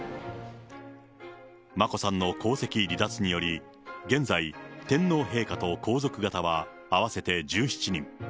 眞子さんの皇籍離脱により、現在、天皇陛下と皇族方は合わせて１７人。